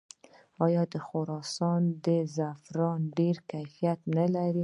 آیا د خراسان زعفران ډیر کیفیت نلري؟